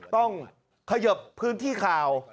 ต้องขยับพื้นที่ข่าว